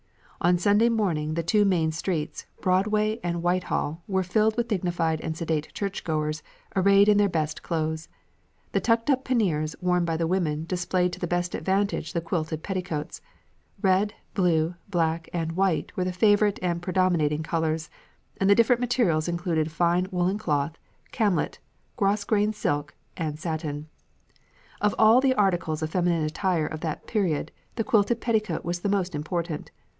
"On Sunday mornings the two main streets, Broadway and Whitehall, were filled with dignified and sedate churchgoers arrayed in their best clothes. The tucked up panniers worn by the women displayed to the best advantage the quilted petticoats. Red, blue, black, and white were the favourite and predominating colours, and the different materials included fine woollen cloth, camlet, grosgrain silk, and satin. Of all the articles of feminine attire of that period the quilted petticoat was the most important.